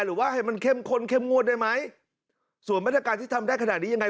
หรือว่าให้มันเข้มข้นเข้มงวดได้ไหมส่วนมาตรการที่ทำได้ขนาดนี้ยังไง